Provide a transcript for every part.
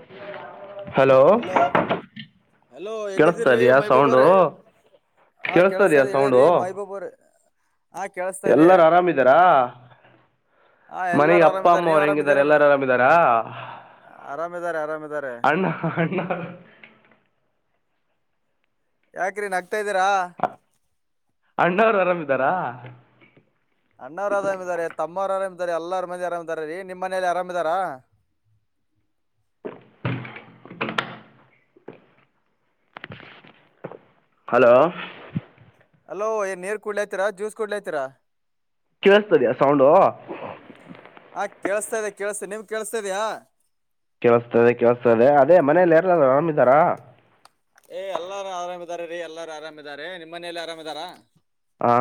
ಹ್ಮ್ hello hello ಕೇಳಿಸ್ತಾ ಎಲ್ಲಿದ್ದೀರಿ ಇದೆಯಾ ಸೌಂಡು ಮೈಬಾಬ್ರೇ ಹಾ ಕೇಳಿಸ್ತಾ ಇದೆಯಾ ಕೇಳಸ್ತಾದೆ ಸೌಂಡು ಹೇಳಿರೀ ಮೈಬೂಬ್ರ ಆ ಕೇಳಸ್ತಾ ಇದೆ ಎಲ್ಲರೂ ಆರಾಮಿದ್ದಾರಾ ಹಾ ಮನೆಗೆ ಎಲ್ಲಾರು ಅಪ್ಪ ಆರಾಮಾರೆ ಅಮ್ಮ ನೀವ್ ಅವ್ರು ಹೆಂಗಿದ್ದಾರೆ ಆರಾಮಿದೀರಿ ಎಲ್ಲರೂ ಆರಾಮಿದ್ದಾರಾ ಆರಾಮ್ ಇದಾರೆ ಆರಾಮ ಇದಾರೆ ಅಣ್ಣ ಅಣ್ಣ ಯಾಕ್ರಿ ನಗ್ತಾ ಇದ್ದೀರಾ ಅಣ್ಣ ಅವ್ರು ಆರಾಮಿದ್ದಾರಾ ಅಣ್ಣವ್ರ ಅರಾಮ ಇದಾರೆ ತಮ್ಮವರು ಆರಾಮ್ ಇದಾರೆ ಎಲ್ಲಾರ ಮಂದಿ ಆರಾಮ್ ಇದಾರ ರೀ ನಿಮ್ಮ್ ಮನೇಲಿ ಆರಾಮಿದ್ದಾರಾ [inaudible] ಹಲೋ ಹಲೋ ಏನ ನೀರ್ ಕುಡ್ಲತರಾ ಜ್ಯೂಸ್ ಕುಡ್ಲತೀರಾ ಕೇಳಿಸ್ತೀಯಾ ಸೌಂಡ್ ಹಾ ಕೇಳಸ್ತಾ ಇದೆ ಕೇಳಸ್ತ ನೀವ್ ಕೇಳಿಸತ ಇದ್ದೀಯಾ ಕೆೇಳಿಸ್ತದೆ ಕೆೇಳಸ್ತದೆ ಅದೇ ಮನೇಲಿ ಯಾರಾದರು ಆರಾಮ್ದಾರಾ ಏ ಎಲ್ಲಾರು ಆರಾಮಿದಾರ ರೀ ಎಲ್ಲಾರು ಆರಾಮಾರೆ ನಿಮ್ಮ ಮನಲಿ ಆರಾಮ ಇದಾರಾ ಹಾ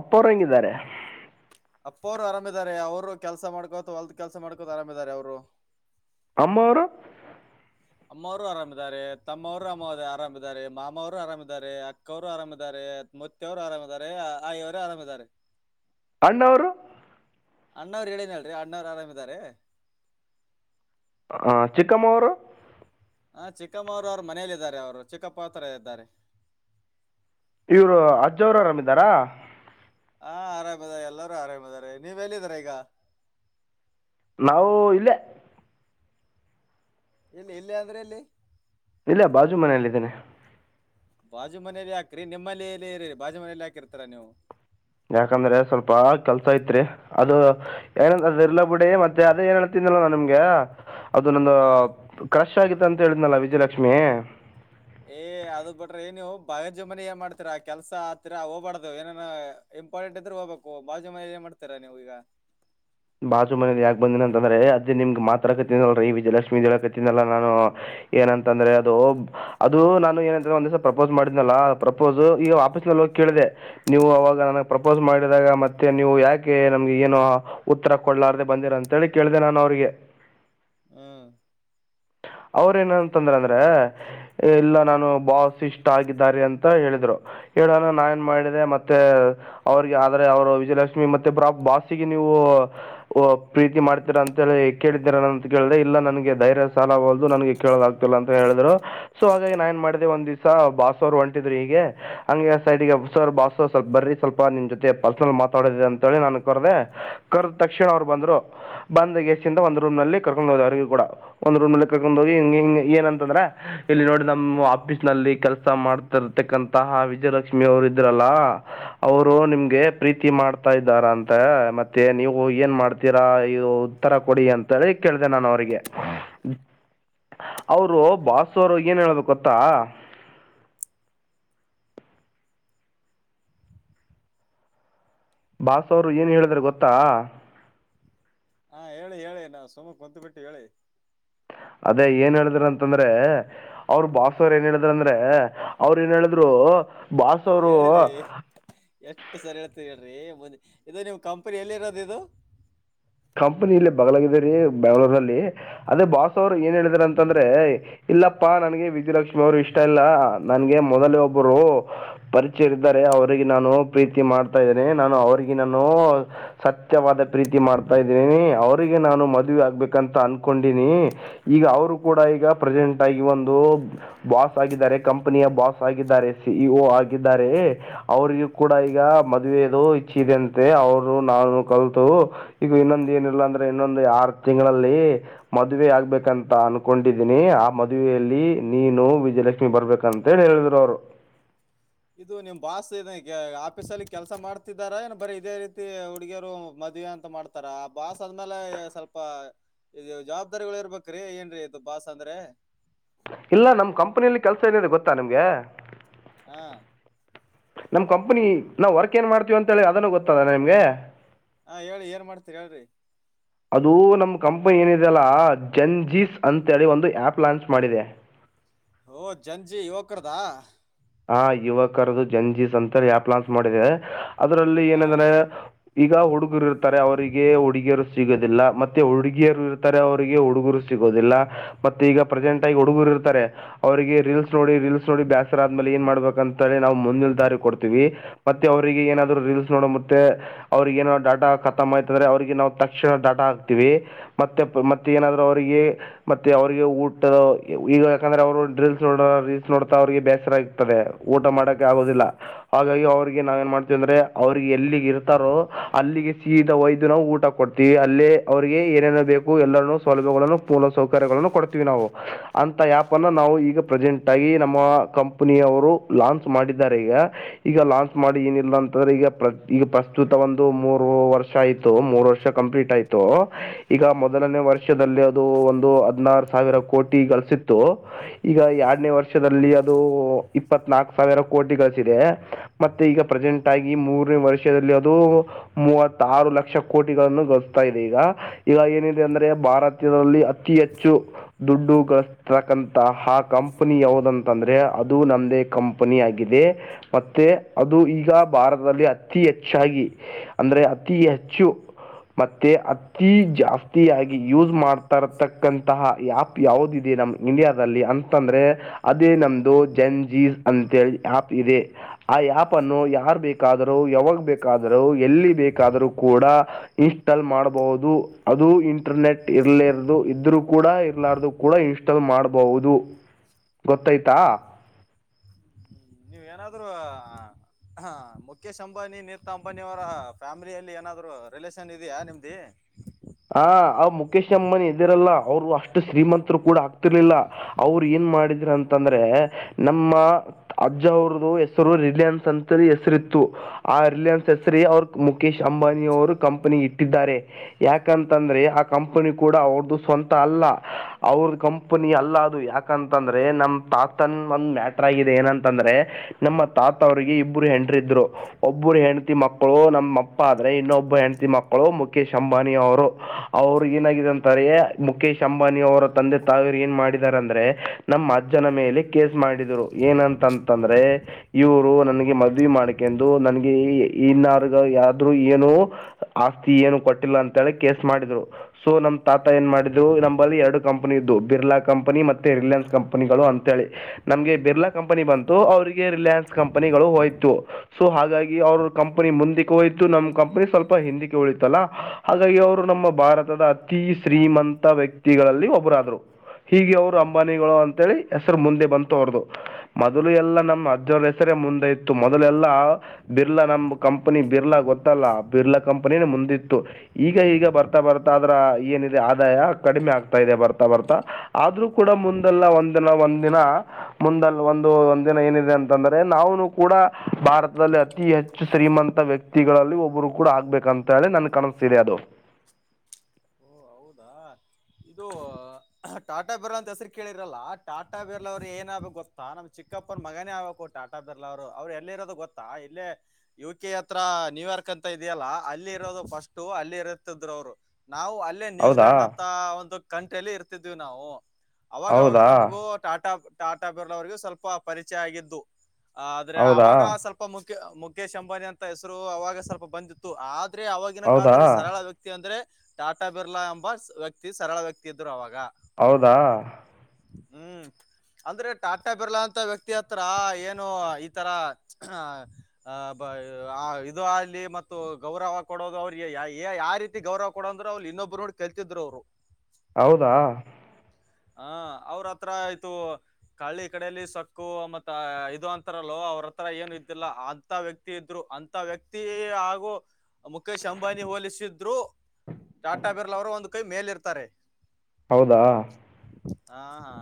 ಅಪ್ಪ ಅವರು ಹೆಂಗಿದ್ದಾರೆ ಅಪ್ಪ ಅವ್ರು ಆರಾಮಾರೆ ಅವ್ರು ಕೆಲ್ಸ ಮಾಡಕೋಥವಾ ಹೊಲ್ದ ಕೆಲ್ಸ ಮಾಡಕೋದು ಆರಾಮಿದಿದ್ದಾರೆ ಅವ್ರು ಅಮ್ಮವರು ಅಮ್ಮವರು ಆರಾಮಿದ್ದಾರೆ ತಮ್ಮವರು ಅ ಆರಾಮ್ ಇದ್ದಾರೆ ಮಾಮವರು ಆರಾಮಿದ್ದಾರೆ ಅಕ್ಕವ್ರು ಆರಾಮಿದ್ದಾರೆ ಮ ಮತ್ತವರು ಆರಾಮಾರೆ ಆಯವರೇ ಆರಾಮ್ರೆ ಅಣ್ಣವರು ಅಣ್ಣವ್ರು ಹೇಳಿದನಲ್ ರೀ ಅಣ್ಣವ್ ಆರಾಮಿದ್ದಾರೆ ಹಾ ಚಿಕ್ಕಮ್ಮೂರು ಹ ಚಿಕ್ಕಮ್ಮವರು ಅವ್ರ ಮನೇಲ್ಲ ಇದಿದ್ದಾರೆ ಅವರು ಚಿಕ್ಕಪ್ಪಹತ್ರ ಇದ್ದಾರೆ ಇವ್ರು ಅಜ್ಜ ಆರಾಮ ಇದ್ದಾರಾ ಹಾ ಆರಾಮ್ ಇದಾರೆ ಎಲ್ಲರೂ ಆರಾಮ್ ಅದಾರೆ ನೀವ್ ಎಲ್ಲಿದರ ಈಗ ನಾವು ಇಲ್ಲೇ ಇಲ್ಲಿ ಎಲ್ಲಿ ಅಂದ್ರೆ ಎಲ್ಲಿ ಇಲ್ಲ ಬಾಜು ಮನೆಯಲ್ಲಿದ್ದೇನೆ ಬಾಜು ಮನೇಲಿ ಯಾಕ್ರಿ ನಿಮ್ಮಲ್ಲಿ ಮನೆಯಲ್ಲಿ ಇರಿ ಬಾಜು ಮನೇಲಿ ಹಾಕಿರ್ತರಾ ನೀವು ಯಾಕಂದ್ರೆ ಸ್ವಲ್ಪ ಕೆಲ್ಸ ಐತ್ರಿ ಅದು ಏನ ಎರ್ಲ್ಲ ಪುಡಿ ಮತ್ತೆ ಅದೇ ಏನ್ ಹೇಳ್ತಿಂದಲ್ಲ ನಿಮ್ಗ ಅದು ನಂದು ಹಾ ಕ್ರಶ್ ಆಗಿತ್ತು ಅಂತ ಹೇಳಿದ್ನಲ್ಲ ವಿಜಯಲಕ್ಷ್ಮಿ ಏ ಅದ್ ಬಿಟ್ರಿ ಏ ನೀವು ಬಾಜು ಮನೇಲಿ ಏನ್ ಮಾಡ್ತೀರಾ ಕೆಲ್ಸ ಹತ್ತೀರ ಹೋಗಬಾರಡ್ದ್ ಏನೇನ ಇಂಪಾರ್ಟೆಂಟ್ ಇದ್ರ ಹೋಗ್ಬೇಕು ಬಾಜು ಮನೆ ಏನ್ ಮಾಡ್ತೀರಾ ನೀವು ಈಗ ಬಾಸು ಮನೆಯಲ್ಲಿ ಯಾಕ ಬಂದೀನ ಅಂತ ಅಂದ್ರೆ ನಿಮಗೆ ಮಾತ್ರ ಕತೀನಲ್ರೀ ವಿಜಯಲಕ್ಷ್ಮಿ ದೇಳ ಕತೀನಲ್ಲ ನಾನು ಏನಂತಂದ್ರೆ ಅದು ಅದು ನಾನು ಏನಂದ್ರೆ ಒಂದ್ ದಿವಸ ಪ್ರಪೋಸ್ ಮಾಡಿದ್ನಲ್ಲ ಪ್ರಪೋಸ್ ಈಗ ವಾಪಸ್ ನಲ್ಲಿ ಹೋಗಿ ಕೇಳಿದೆ ನೀವು ಅವಾಗ ನನಗ್ ಪ್ರಪೋಸ್ ಮಾಡಿದಾಗ ಮತ್ತೆ ನೀವು ಯಾಕೆ ನಮ್ಗೆ ಏನು ಉತ್ತರ ಕೊಡ್ಲಾರ್ದ ಬಂದಿರ ಅಂತೇಳಿ ಕೇಳಿದೆ ನಾನು ಅವ್ರಿಗೆ ಹ್ಮ ಅವ್ರ ಏನಂತಂದ್ರ ಅಂದ್ರೆ ಎಲ್ಲ ನಾನು ಬಾಸ ಇಷ್ಟ ಆಗಿದ್ದಾರೆ ಅಂತ ಹೇಳಿದ್ರು ಹೇಳೋಣ ನಾನ್ ಏನ್ ಮಾಡಿದೆ ಮತ್ತೆ ಅವ್ರಿಗೆ ಆದ್ರೆ ಅವರು ವಿಜಯಲಕ್ಷ್ಮಿ ಮತ್ತೆ ಬಾ ಬಾಸಿಗೆ ನೀವು ಪ್ರೀತಿ ಮಾಡ್ತೀರಾ ಅಂತ ಹೇಳಿ ಕೇಳಿದ್ದೀರ ಅಂತ ಕೇಳ್ರೆ ಇಲ್ಲಾ ನನ್ಗೆ ಧೈರ್ಯ ಸಾಲ ವಲ್ದು ನನ್ಗೆ ಕೇಳೋಲಾಗ್ತಿಲ್ಲ ಅಂತ ಹೇಳಿದ್ರು ಸೊ ಹಾಗಾಗಿ ನಾಏನ್ ಮಾಡಿದೆೆ ಒಂದ್ ದಿವ್ಸ ಬಾಸವರು ಹೊಂಟಿದ್ರು ಹೀಗೆ ಹಂಗೆ ಸೈಡ್ಗೆಸರ್ ಬಾಸ ಸ್ವಲ್ಪ ಬರಿ ಸ್ವಲ್ಪ ನಿಮ್ ಜೊತೆ ಪರ್ಸನಲ್ ಮಾತಾಡೋದಿದೆ ಅಂತ ಹೇಳಿ ನಾನನ್ ಕರದೆ ಕರ್ದ ತಕ್ಷಣ ಅವ್ರು ಬಂದ್ರು ಬಂದ್ ೇಸ್ಿಂದ ಒಂದ್ ರೂಮ್ ನಲ್ಲಿ ಕರ್ಕೊಂಡು ಹೋದ್ ಅವ್ರರಿಗೆ ಕೂಡ ಒಂದ್ ರೂಮಲ್ಲಿ ಕರ್ಕೊಂಡ್ ಹೋಗಿ ಹಿಂಗ ಹ ಏನಂತಂದ್ರ ಇಲ್ಲಿ ನೋಡಿ ನಮ್ಮ್ ಆಫೀಸ್ ನಲ್ಲಿ ಕೆಲ್ಸ ಮಾಡ್ ತರ್ತಕ್ಕಂತಹ ವಿಜಯಲಕ್ಷ್ಮಿ ಅವರು ಇದ್ರಲ್ಲ ಅವರು ನಿಮ್ಗೆ ಪ್ರೀತಿ ಮಾಡ್ತಾ ಇದ್ದಾರ ಅಂತ ಮತ್ತೆ ನೀವು ಏನ್ ಮಾಡ್ತೀರಾ ಇದು ಉತ್ತರ ಕೊಡಿ ಅಂತೇಳಿ ಕೇಳಿದೆ ನಾನು ಅವ್ರರಿಗೆ ಅವರು ಆ- ಬಾಸರು ಏನ್ ಹೇಳ್ಬೇಕೊತ್ತಾ ಬಾಸವ್ರು ಏನು ಹೇಳಿದ್ರೆ ಗೊತ್ತಾ ಹಾ ಹೇಳಿ ಹೇಳಿ ನಾವು ಸುಮನ್ ಕುಂತು ಬಿಿಟ್ಟು ಹೇಳಿ ಅದೇ ಏನ್ ಹೇಳಿದ್ರ ಅಂತಂದ್ರೆ ಅವ್ರ ಬಾಸವರ್ ಏನ್ ಹೇಳಿದ್ರ ಅಂದ್ರೆ ಅವ್ರ ಏನ್ ಹೇಳಿದ್ರು ಬಾಸ್ ಅವರು ಹೇಳ್ರಿ ಎಷ್ಟು ಸರಿ ಹೇಳ್ತರಿ ಹೇಳ್ರಿ ಮುಂದೆ ಇದು ನಿಮ್ಮ್ ಕಂಪನಿ ಎಲ್ಲಿ ಇರೋದು ಇದು ಕಂಪನಿಲ್ಲಿ ಬಗ್ಲಾಗಿದರಿೀ ಬೆ್ಯಾಂಗ್ಳೂರ್ಲ್ಲಿ ಅದೇ ಬಾಸ್ ಅವರು ಏನ್ ಹೇಳಿದಾರ ಅಂತಂದ್ರೆ ಇಲ್ಲಪ್ಪಾ ನನ್ಗೆ ವಿಜಯಲಕ್ಷ್ಮಿ ಅವರು ಇಷ್ಟ ಇಲ್ಲ ನನ್ಗೆ ಮೊದಲ ಒಬ್ಬರು ಪರಿಚಯ ಇದ್ದಾರೆ ಅವ್ರರಿಗೆ ನಾನು ಪ್ರೀತಿ ಮಾಡ್ತಾ ಇದ್ದೇನೆ ನಾನು ಅವ್ರರಿಗೆ ನಾನು ಸತ್ಯವಾದ ಪ್ರೀತಿ ಮಾಡ್ತಾ ಇದೀನಿ ಅವರಿಗೆ ನಾನು ಮದುವೆ ಆಗ್ಬೇಕಂತ ಅನ್ಕೊಂಡೀನಿ ಈಗ ಅವರು ಕೂಡ ಈಗ ಪ್ರೆಸಡೆಂಟ್ ಆಗಿ ಒಂದು ಬಾಸ್ ಆಗಿದ್ದಾರೆ ಕಂಪನಿಯ ಬಾಸ್ ಬಾಸ್ ಆಗಿದ್ದಾರೆ ಸಿ. ಇ. ಒ ಆಗಿದ್ದಾರೆ ಅವ್ರಗೂ ಕೂಡ ಈಗ ಮದ್ವೆದು ಇಛೆ ಇದೆ ಅಂತೆ ಅವ್ರು ನಾನು ಕಲ್ತು ಈಗ ಇನ್ನೊಂದ ಏನಿಲ್ಲ ಅಂದ್ರೆ ಇನ್ನೊಂದು ಆರು ತಿಂಗಳಲ್ಲಿ ಮದುವೆ ಆಗ್ಬೇಕಂತ ಅನ್ಕೊಂಡಿದ್ದೀನಿ ಆ ಮದುವೆಯಲ್ಲಿ ನೀನು ವಿಜಯಲಕ್ಷ್ಮಿ ಬರ್ಬೇಕಂತ ೇನ್ ಹೇಳಿದ್ರು ಅವರು ಇದು ನಿಮ್ ಬಾಸ್ ಏನ್ ಈಗ ಆಫೀಸ ಅಲ್ಲಿ ಕೆಲಸ ಮಾಡ್ತಿದಾರ ಏನ್ ಬರೀ ಇದೇ ರೀತಿ ಹುಡುಗಿಯರು ಮದ್ವಿ ಅಂತ ಅಂತ ಮಾಡ್ತಾರಾ ಬಾಸ್ ಅ ಆದ್ಮೇಲೆ ಸ್ವಲ್ಪ ಇದು ಜವಾಬ್ದಾರಿಗಳು ಇರ್ಬೇಕ್ರಿ ಏನ್ರೀ ಇದು ಬಾಸ್ ಅಂದ್ರೆ ಇಲ್ಲ ನಮ್ ಕಂಪನಿಯಲ್ಲಿ ಕೆಲ್ಸ ಏನಿದೆ ಗೊತ್ತಾ ನಿಮ್ಗೆ ಹಾ ನಮ್ ಕಂಪನಿ ನಾವು ವರ್ಕ್ ಏನ್ ಮಾಡ್ತೀವ ಅಂತ ಹೇಳಿ ಅದನ್ನು ಗೊತ್ತದ ನಿಮ್ಗೆ ಹಾ ಹೇಳಿ ಏನ್ ಮಾಡ್ತೀರಿ ಹೇಳ್ರಿ ಅದು ನಮ್ ಕಂಪನಿ ಏನಿದೆಲ್ಲ ಜನ್ ಜೀಸ್ ಅಂತೇಳಿ ಒಂದು ಆಪ್ ಲಾಂಚ್ ಮಾಡಿದೆ ಓ ಜಂಜಿ ಯುವಕ್ರದಾ ಹ ಯುವಕರದದು ಜನ್ಜೀಸ್ ಅಂತ ಹೇಳಿ ಆಪ್ ಲಾಂಚ್ ಮಾಡಿದೆ ಅದ್ರಲ್ಲಿ ಹಾ ಏನಂದ್ರೆ ಈಗ ಹುಡುಗರು ಇರ್ತಾರೆ ಅವರಿಗೆ ಹುಡುಗಿಯರು ಸಿಗೋದಿಲ್ಲ ಮತ್ತೆ ಹುಡುಗಿಯರು ಇರ್ತಾರೆ ಅವರಿಗೆ ಹುಡುಗರು ಸಿಗೋದಿಲ್ಲ ಮತ್ತೆ ಈಗ ಪ್ರೆಸೆಂಟ್ ಆಗಿ ಹುಡುಗರು ಇರ್ತಾರೆ ಅವರಿಗೆ ರೀಲ್ಸ್ ನೋಡಿ ರೀಲ್ಸ್ ನೋಡಿ ಬ್ಯಾಸರ ಆದ್ಮೇಲೆ ಏನ್ ಮಾಡ್ಬೇಕ ಅಂತೇಳಿ ನಾವು ಮುಂದಿನ್ ದಾರಿ ಕೊಡ್ತೀವಿ ಮತ್ತೆ ಅವರಿಗೆ ಏನಾದ್ರು ರೀಲ್ಸ್ ನೋಡ ಮತ್ತೆ ಅವ್ರಿಗ ಏನೋ ಡಾಟಾ ಖತಮ ಆಯ್ತ ಅಂದ್ರೆ ಅವ್ರಿಗೆ ನಾವ್ ತಕ್ಷಣ ಡಾಟಾ ಹಾಕ್ತಿವಿ. ಮತ್ತೆ ಮತ್ತೆ ಏನಾದ್ರು ಅವರಿಗೆ ಮತ್ತೆ ಅವ್ರಿಗೆ ಊಟದ ಈಗ ಯಾಕಂದ್ರೆ ಅವರು ಡ್ರಿಲ್ಸ್ ನೋಡ ರಿಲ್ಸ್ ನೋಡತಾ ಅವ್ರಿಗೆ ಬ್ಯಾಸ್ [unintelligible] ದೆ ಊಟ ಮಾಡಕ್ಕೆ ಆಗೋದಿಲ್ಲ ಹಾಗಾಗಿ ಅವ್ರಿಗೆ ನಾವ ಏನ್ ಮಾಡ್ತೇವಿ ಅಂದ್ರೆ ಅವ್ರಿಗೆ ಹೆಲ್ಫ್ಗೆ ಇರ್ತಾರೋ ಅಲ್ಲಿಗೆ ಸೀದ ಒಯ್ದ ನಾವು ಊಟ ಕೊಡ್ತೀವಿ ಅಲ್ಲೇ ಅವರಿಗೆ ಏನೇನ ಬೇಕು ಎಲ್ಲರನ್ನೂ ಸೌಲಭ್ಯಗಳನ್ನು ಪೂರ್ಣ ಸೌಕರ್ಯಗಳನ್ನು ಕೊಡ್ತೀವಿ ನಾವು ಅಂತ ಆ್ಯಪ್ ನ್ನು ನಾವು ಈಗ ಪ್ರೆಸೆಂಟ್ ಆಗಿ ನಮ್ಮ ಕಂಪನಿಯ ಅವರು ಲಾಂಚ್ ಮಾಡಿದ್ದಾರೆ ಈಗ ಈಗ ಲಾಂಚ್ ಮಾಡಿ ಏನಿಲ್ಲ ಅಂತಂದ್ರೆ ಈಗ ಪ್ರತಿ ಈಗ ಪ್ರಸ್ತುತ ಒಂದು ಮೂರು ವರ್ಷ ಆಯ್ತು ಮೂರು ವರ್ಷ ಕಂಪ್ಲೀಟ್ ಆಯ್ತು ಈಗ ಮೊದಲನೇ ವರ್ಷದಲ್ಲಿ ಅದು ಒಂದು ಹದ್ನಾರು ಸಾವಿರ ಕೋಟಿ ಗಳಿಸಿತ್ತು ಈಗ ಎರಡನೇ ವರ್ಷದಲ್ಲಿ ಅದು ಇಪ್ಪತ್ ನಾಕು ಸಾವಿರ ಕೋಟಿ ಗಳಿಸಿದೆ ಮತ್ತೆ ಈಗ ಪ್ರೆಸೆಂಟ್ ಆಗಿ ಮೂರನೇ ವರ್ಷದಲ್ಲಿ ಅದು ಮೂವತ್ತಾರು ಲಕ್ಷ ಕೋಟಿಗಳನ್ನು ಗಳಿಸ್ತಾ ಇದೆ ಈಗ. ಈಗ ಏನಿದೆ ಅಂದ್ರೆ ಭಾರತದಲ್ಲಿ ಅತಿ ಹೆಚ್ಚು ದುಡ್ಡು ಕಳಸ್ತಕಂತ ಆ ಕಂಪನಿ ಯಾವ್ದಂತಂದ್ರೆ? ಅದು ನಮ್ಮದೇ ಕಂಪನಿಯಾಗಿದೆ. ಮತ್ತೆ ಅದು ಈಗ ಭಾರತದಲ್ಲಿ ಅತಿ ಹೆಚ್ಚಾಗಿ ಅಂದ್ರೆ ಅತಿ ಹೆಚ್ಚು ಮತ್ತೆ ಅತಿ ಜಾಸ್ತಿಯಾಗಿ ಯೂಸ್ ಮಾಡ್ತಾ ಇರತಕ್ಕಂತಹ ಆಪ್ ಯಾವದಿದೆ ನಮ್ ಇಂಡಿಯಾದಲ್ಲಿ ಅಂತಂದ್ರೆ ಅದೇ ನಮ್ದು ಜಿನ್ ಜೀ ಅಂತೇಳಿ ಆಪ್ ಇದೆ. ಆ ಆಪ್ ಅನ್ನು ಯಾರ್ ಬೇಕಾದರು ಯಾವಾಗ ಬೇಕಾದರು ಎಲ್ಲಿ ಬೇಕಾದರೂ ಕೂಡ ಇನ್ಸ್ಟಾಲ್ ಮಾಡಬಹುದು ಅದು ಇಂಟರ್ನೆಟ್ ಇರ್ಲಿರದು ಇದ್ರು ಕೂಡ ಇರ್ಲಾರದು ಕೂಡ ಕೂಡ ಇನ್ಸ್ಟಾಲ್ ಮಾಡಬಹುದು ಗೊತ್ತಾಯ್ತ. ನೀವ ಏನಾದ್ರು ಹಾ ಮುಖೇಶ್ ಅಂಬಾನಿ ನಿತಾ ಅಂಬಾನಿ ಅವರ ಫ್ಯಾಮಿಲಿಯಲ್ಲಿ ಏನಾದ್ರು ರಿಲೇಷನ್ ಇದೆಯಾ ನಿಮ್ದಿ? ಹ ಅವ್ ಮುಖೇಶ್ ಅಮ್ಮನಿ ಇದಿರಲ್ಲಾ ಅವ್ರು ಅಷ್ಟು ಶ್ರೀಮಂತರು ಕೂಡ ಆಗ್ತಿರ್ಲಿಲ್ಲ ಅವ್ರ ಏನ್ ಮಾಡಿದ್ರ ಅಂತಂದ್ರೆ ನಮ್ಮ ಅಜ್ಜ ಅವ್ರದು ಹೆಸರು ರಿಲಯನ್ಸ್ ಅಂತ ಹೆಸರಿತ್ತು. ಆ ರಿಲಯನ್ಸ್ ಹೆಸರೆ ಅವರ್ ಮುಖೇಶ್ ಅಂಬಾನಿಯ ಅವರು ಕಂಪನಿಗ್ ಇಟ್ಟಿದ್ದಾರೆ. ಯಾಕಂತಂದ್ರೆ ಆ ಕಂಪನಿ ಕೂಡ ಅವ್ರದು ಸ್ವಂತ ಅಲ್ಲ ಅವ್ರ ಕಂಪನಿ ಅಲ್ಲ ಅದು ಯಾಕ ಯಾಕಂತಂದ್ರೆ ನಮ್ ತಾತನ್ ಒಂದ್ ಮ್ಯಾಟ್ರ ಆಗಿದೆ ಏನಂತಂದ್ರೆ ನಮ್ಮ ತಾತ ಅವ್ರಿಗೆ ಇಬ್ಬರು ಹೆಂಡ್ರಿದ್ರು ಒಬ್ಬರು ಹೆಂಡತಿ ಮಕ್ಕಳು ನಮ್ಮ ಅಪ್ಪ ಆದ್ರೆ ಇನ್ನೊಬ್ಬ ಹೆಂಡತಿ ಮಕ್ಕಳು ಮುಖೇಶ್ ಅಂಬ ಅಂಬಾನಿ ಅವರು ಅವರು ಏನಾಗಿದೆ ಅಂತಾರೆ ಮುಖೇಶ್ ಅಂಬಾನಿ ಅವರ ತಂದೆ ತಾಯಿರು ಏನ್ ಮಾಡಿದ್ದಾರೆ ಅಂದ್ರೆ ನಮ್ಮ ಅಜ್ಜನ ಮೇಲೆ ಕೇಸ್ ಮಾಡಿದ್ರು ಏನಂತಂತಂದ್ರೆ ಇವರು ನನ್ಗೆ ಮದವಿ ಮಾಡಕೆಂದು ನನ್ಗೆ ಇನ್ನಾರ್ಗ ಯಾದ್ರರು ಏನು- ಆಸ್ತಿ ಏನು ಕೊಟ್ಟಿಲ್ಲ ಅಂತೇಳಿ ಕೇಸ್ ಮಾಡಿದ್ರು ಸೊ ನಮ್ ತಾತ ಏನ್ ಮಾಡಿದ್ರು ನಂಬಲ್ಲಿ ಎರಡು ಕಂಪನಿ ಇದ್ದು ಬಿರ್ಲಾ ಕಂಪನಿ ಮತ್ತೆ ರಿಲಯನ್ಸ್ ಕಂಪನಿಗಳು ಅಂತೇಳಿ ನಮ್ಗೆ ಬಿರ್ಲಾ ಕಂಪನಿ ಬಂತು ಅವ್ರಿಗೆ ರಿಲಯನ್ಸ್ ಕಂಪನಿಗಳು ಹೋಯ್ತು. ಸೊ ಹಾಗಾಗಿ ಅವ್ರ ಕಂಪನಿ ಮುಂದಕ್ಕೆ ಹೋಯ್ತು ನಮ್ ಕಂಪನಿ ಸ್ವಲ್ಪ ಹಿಂದಕ್ಕೆ ಉಳಿತಲ್ಲ. ಹಾಗಾಗಿ ಅವರು ನಮ್ಮ ಭಾರತದ ಅತಿ ಶ್ರೀಮಂತ ವ್ಯಕ್ತಿಗಳಲ್ಲಿ ಒಬ್ಬರಾದ್ರು. ಹೀಗೆ ಅವರು ಅಂಬಾನಿಗಳು ಅಂತೇಳಿ ಹೆಸರು ಮುಂದೆ ಬಂತು ಅವರ್ದು. ಮೊದಲು ಎಲ್ಲಾ ನಮ್ಮ್ ಅಜ್ಜನ ಹೆಸರೇ ಮುಂದೆ ಇತ್ತು ಮೊದಲೆ ಎಲ್ಲಾ ಬಿರ್ಲಾ ನಮ ಕಂಪನಿ ಬಿರ್ಲಾ ಗೊತ್ತಲ್ಲ ಬಿರ್ಲಾ ಕಂಪನಿನ ಮುಂದಿತ್ತು. ಈಗ ಈಗ ಬರ್ತಾ ಬರ್ತಾ ಅದರ ಏನಿದೆ ಆದಾಯ ಕಡಿಮೆ ಆಗ್ತಾ ಇದೆ ಬರ್ತಾ ಬರ್ತಾ. ಆದ್ರೂ ಕೂಡ ಮುಂದೆಲ್ಲ ಒಂದಲ್ಲಾ ಒಂದಿನಾ. ಮುಂದಲ ಒಂದು ಒಂದಿನಾ ಏನಿದೆ ಅಂತಂದ್ರೆ ನಾವುನು ಕೂಡಾ ಭಾರತದಲ್ಲಿ ಅತಿ ಹೆಚ್ಚು ಶ್ರೀಮಂತ ವ್ಯ ಕ್ತಿಗಳಲ್ಲಿ ಒಬ್ಬರು ಕೂಡಾ ಆಗ್ಬೇಕ ಅಂತ ಹೇಳಿ ನನ್ನ ಕನಸಿದೆ ಅದು. ಓ ಹೌದಾ ಇದು ಅ ಟಾಟಾ ಬಿರ್ಲಾ ಅಂತ ಹೆಸರು ಕೇಳಿರಲ್ಲ ಟಾಟಾ ಬಿರ್ಲ ಅವ್ರರು ಏನ ಆಬೇಕು ಗೊತ್ತಾ ನಮ್ಮ ಚಿಕ್ಕಪ್ಪನ ಮಗನೇ ಆಗ್ಬೇಕು ಟಾಟಾ. ಟಾ ಬಿರ್ಲಾ ಅವರು ಅವರು ಎಲ್ಲೇ ಇರೋದು ಗೊತ್ತಾ ಇಲ್ಲೇ. ಯು ಕೆ ಹತ್ರ ನ್ಯೂಯಾರ್ಕ್ ಅಂತ ಇದೆಯಲ್ಲಾ ಅಲ್ಲಿ ಇರೋದು ಫಸ್ಟು ಅಲ್ಲಿ ಇರುತ್ತಿದ್ರರು ಅವರು. ನಾವು ಅಲ್ಲಿ ಲ್ಲೆ ಹೌದಾ ನ್ಯೂಜಿಲೆಯಂಡ್ ಅಂತ ಒಂದು ಕಂಟ್ರಿಲ್ಲಿ ಇರ್ತಿದ್ವಿ ನಾವು ಅವಾಗವಾಗ ಹೌದಾ ನಮಗೂ ಟಾಟಾ ಟಾಟಾ ಬಿರ್ಲಾ ಅವರಿಗೂ ಸ್ವಲ್ಪ ಪರಿಚಯ ಆಗಿದ್ದು ಆದ್ರೆ ಹೌದಾ ಅವಾಗ ಸ್ವಲ್ಪ. ಪ್ಪ ಮುಖೆ ಮುಖೇಶ್ ಅಂಬಾನಿ ಅಂತ ಹೆಸರು ಅವಾಗ ಸ್ವಲ್ಪ ಬಂದಿತ್ತು ಆದ್ರೆ ಆವಾಗಿನ ಹೌದಾ ಕಾಲದಲ್ಲಿ ಸರಳ ವ್ಯಕ ತ್ತಿ ಅಂದ್ರೆ ಟಾಟಾ ಬಿರ್ಲಾ ಎಂಬ ವ್ಯಕ್ತಿ ಸರಳ ವ್ಯಕ್ತಿ ಇದ್ರು ಅವಾಗಾ. ಹೌದಾ ಹು ಅಂದ್ರೆ ಟಾಟಾ ಬಿರ್ಲಾ ಅಂತ ವ್ಯಕ್ತಿ ಹತ್ರಾ ಏನು ಈತರಾ ಅ ಅ ಪ ಆ ಇದು ಅಲ್ಲಿ ಮತ್ತು ಗೌರವ ಕೊಡೋದು ಅವ್ರಿಗೆ ಯಾ ಯೇ ಯಾವ ರೀತಿ ಗೌರವ ಕೊಡು ಅಂದ್ರ ಅವ್ಲ ಇನ್ನೊಬ್ಬರು ನೋಡಿ ಕಲ್ತಿದ್ರು ಅವ್ರು. ಹೌದಾ ಹಾ ಅವರ ಹತ್ರ ಆಯ್ತು. ಕಾಳಿ ಕಡೆಯಲ್ಲಿ ಸಕ್ಕು ಮತ್ತ ಇದು ಅಂತಾರಲ್ಲೋ ಅವ್ರ ಹತ್ರ ಏನು ಇದ್ದಿರಲ್ಲ ಆದ. ಅಂತಾ ವ್ಯಕ್ತಿ ಇದ್ರು ಅಂತಾ ವ್ಯಕ್ತಿ ಹಾಗೂ ಮುಕೇಶ್ ಅಂಬಾನಿ ಹೋಲಿಸಿದ್ರು. ಟಕ್ ಟಾಟಾ ಬಿರ್ಲಾ ಅವರು ಒಂದು ಕೈ ಮೇಲೇ ಇರ್ತಾರೆ. ಹೌದಾ ಹಾ ಹಾ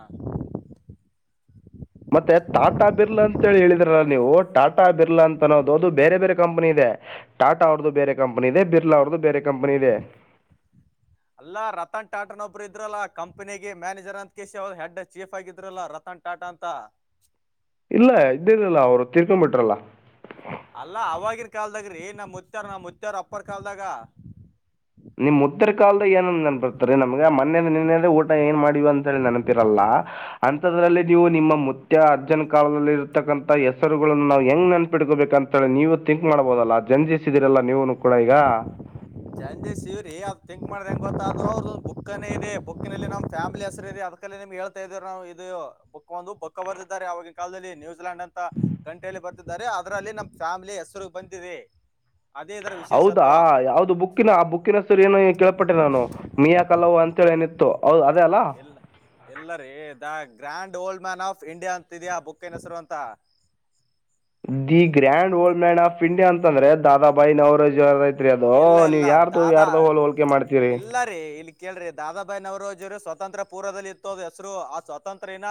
ಮತ್ತೆ ಟಾಟಾ ಬಿರ್ಲಾ ಅಂತೇಳಿ ಹೇಳಿದ್ರಲ್ಲ ನೀವು ಟಾಟಾ ಬಿರ್ಲಾ ಅಂತ ಅನ್ನೋದು ಅದು ಬೇರೆ ಬೇರೆ ಕಂಪನಿ ಇದೆ. ಟಾಟಾ ಅವರದು ಬೇರೆ ಕಂಪನಿ ಇದೆ. ಬಿರ್ಲಾ ಅವರದು ಬೇರೆ ಕಂಪನಿ ಇದೆ. ಅಲ್ಲಾ ರತನ್ ಟಾಟನ್ ಒಬ್ರು ಇದ್ರಲ್ಲಾ ಕಂಪನಿಗೆ ಮ್ಯಾನೇಜರ್ ಅಂತ ಕೆಸಿ ಅವ ಹೆಡ್ ಚೀಫ್ ಆಗಿದ್ರಲ್ಲ ರತನ್. ಟಾಟಾ ಅಂತಾ. ಇಲ್ಲಾ ಇದ್ದಿರ್ಲಿಲ್ಲ ಅವ್ರು ತಿರ್ಕೊಡ ಬಿಟ್ರಲ್ಲ. ಅಲ್ಲಾ ಅವಾಗಿರ ಕಾಲದಾಗ ರೀ ನಮ್ಮ ಮುತ್ತ್ಯಾರ ನಮ್ಮ ಮುತ್ತಾರ ಅಪ್ಪರ ಕಾಲದಾಗ. ನಿಮ್ಮ ಮುತ್ಯರ ಕಾಲದ ಏನನೆನಪ ಬರ್ತರಿ ನಮ್ಗ ಮನ್ನೆ ನಿನ್ನದ ಊಟ ಏನ ಮಾಡಿವ ಅಂತ ಹೇಳಿ ನೆನಪಿರಲ್ಲಾ. ಅಂಥದ್ರಲ್ಲಿ ನೀವು ನಿಮ್ಮ ಮುತ್ಯಾ ಅಜ್ಜನ ಕಾಲದಲ್ಲಿ ಇರತಕ್ಕಂತ ಹೆಸರುಗಳನ್ನು ನಾವು ಹೆಂಗ್ ನೆನ್ಪಿಡ್ಕೋಬೇಕಂತ. ತ್ತೇಳಿ ನೀವು ತಿಂಕ್ ಮಾಡ್ಬೋದಲ್ಲಾ ಜಂಜಿಸಿದೀರಲ್ಲ ನೀವುನು ಕೂಡ ಈಗಾ. ಜಂಜ ಶಿವವ್ರೀ ಅವರ ತಿಂಕ ಮಾಡದ ಹೆಂಗ ಗೊತ್ತಅಂದ್ರ ಅವ್ರದ ಬುಕ್ಕನೆ ಇದೆ. ಬುಕ್ನಲ್ಲಿ ನಮ್ಮ ಪ್ಯಾಮಲಿ ಹೆಸರು ಇದೆ. ಅದ ಬುಕ್ಕಲ್ಲೇ ನಿಮ್ಗೆ ಹೇಳ್ತಾ ಇದೀರು ನಾವು ಇದು ಬುಕ್ಕು ಒಂದು ಬುಕ್ಕು ಬರೆದಿದ್ದಾರೆ ಆವಾಗಿನ ಕಾಲದಲ್ಲಿ ನ್ಯೂಜಿಲೆಯಾಂಡ್ ಅಂತಾ. ಗಂಟೆಯಲ್ಲಿ ಬರ್ತಿದ್ದಾರೆ ಅದರಲ್ಲಿ ನಮ್ಮ ಫ್ಯಾಮಿಲಿ ಹೆಸರು ಬಂದಿದೆ ಅದೇ ಇದರ. ಹೌದಾ ವಿಶೇಷತ್ವ ಯಾವದು ಬುಕ್ಕಿನ ಆ ಬುಕ್ಕಿನ ಹೆಸರು ಏನು ಕೇಳ್ಪಟ್ಟ ನಾನು ಮೀಯಾ ಕಲವು ಅಂತೇಳಿ ನ. ತ್ತು ಹೌದು ಅದೇ ಅಲ್ಲಾ. ಇಲ್ಲಾ ಎಲ್ಲರಿ the grand old man of India ಅಂತಿದ್ಯಾ ಬುಕ್ಕಿನ ಹೆಸರು ಅಂತಾ. The grand old man of India ಅಂತಂದ್ರೆ ದಾದಾಬಾಯಿ ನವರೋಜಿ ಅವರದ ಐತ. ತ್ರಿ ಅದೋ ಇಲ್ಲ ನೀವ ಇಲ್ಲ ಯಾರ್ದು ಹೋಗಿ ಯಾರ್ದ ಹೋಲ ಹೋಲ್ಕೆ ಮಾಡ್ತೀರಿ. ಡ್ರಿ ಇಲ್ಲಿ ಕೇಳ್ರಿ ದಾದಾಬಾಯಿ ನವರೋಜಿ ಅವರು ಸ್ವಾತಂತ್ರ್ಯ ಪೂರ್ವದಲ್ಲಿ ಇತ್ತು ಅದು ಹೆಸರು ಆ ಸ್ವಾತಂತ್ರ್ಯಏನ.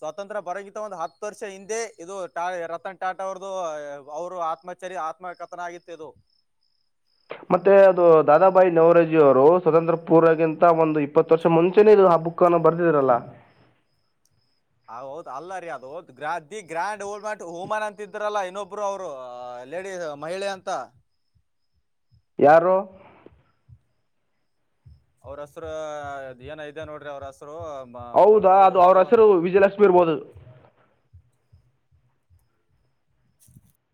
ಸ್ವಾತಂತ್ರ ಬರಕಿಂತ ಒಂದು ಹತ್ತು ವರ್ಷ ಹಿಂದೆ ಇದು ಟಾ ರತನ್ ಟಾಟಾ ಅವರ್ದ ಅವರು ಆತ್ಮಹತ ಸರಿ ಆತ್ಮಕಥನ ಆಗಿತ್ತು ಇದು. ಮತ್ತೆ ಅದು ದಾದಾಬಾಯಿ ನವರಜಿ ಅವರು ಸ್ವತಂತ್ರ ಪೂರ್ವಕ್ಕಿಂತ ಒಂದು ಇಪ್ಪತ್ತು ವರ್ಷ ಮುಂಚೆನೆ ಇದು ಹಬ್ಬುಕ್ ಅಕ್ಕನು ಬರ್ದಿದರಲ್ಲಾ. ಹ ಹೌದ ಅಲ್ಲರಿ ಅದು ಗ್ರಾದಿ ಗ್ರ್ಯಾಂಡ್ ಹೊಲ್ಟ್ವಾಟ ಹೂಮನ್ ಅಂತಿದ್ರಲ್ಲಾ ಇನ್ನೊಬ್ರು ಅವ್ರ ಲೇಡೀಸ್ ಮಹಿಳೆ ಅಂತ ಯಾರು ಅವ್ರ ಹೆಸರ ಏನ ಇದೆ ನೋಡ್ರಿ ಅವ್ರ ಹೆಸರು ಹೌದಾ ಅದು ಅವ್ರ ಇದು ಹೆಸರು ವಿಜಯಲಕ್ಷ್ಮಿ ಇರ್ಬೋದು. [inaudible]